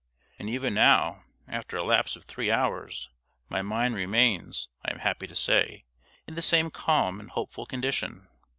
And even now, after a lapse of three hours, my mind remains, I am happy to say, in the same calm and hopeful condition.